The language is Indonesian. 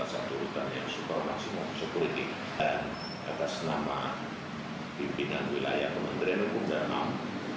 seperti ini atas nama pimpinan wilayah kementerian hukum jalan